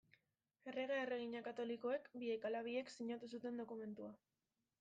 Errege-erregina Katolikoek, biek ala biek, sinatu zuten dokumentua.